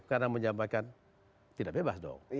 karena menyampaikan tidak bebas dong